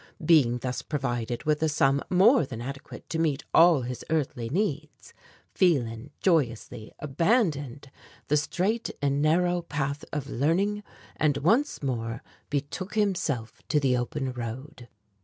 Being thus provided with a sum more than adequate to meet all his earthly needs, Phelan joyously abandoned the straight and narrow path of learning, and once more betook himself to the open road.